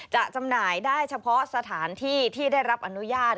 จำหน่ายได้เฉพาะสถานที่ที่ได้รับอนุญาต